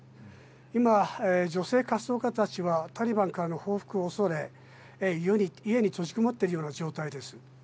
今、女性活動家たちはタリバンからの報復を恐れ家に閉じこもっているような状態です。